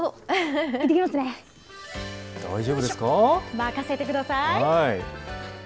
任せてください。